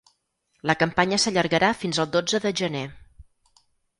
La campanya s’allargarà fins el dotze de gener.